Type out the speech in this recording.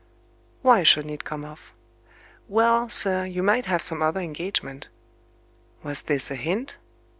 "Why shouldn't it come off?" "Well, sir, you might have some other engagement." Was this a hint?